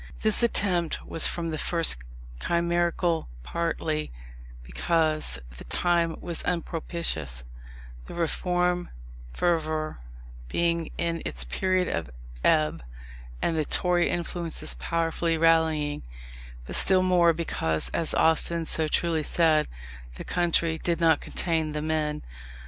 This attempt was from the first chimerical: partly because the time was unpropitious, the Reform fervour being in its period of ebb, and the Tory influences powerfully rallying; but still more, because, as Austin so truly said, "the country did not contain the men."